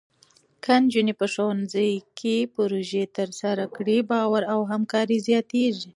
که نجونې په ښوونځي کې پروژې ترسره کړي، باور او همکاري زیاتېږي.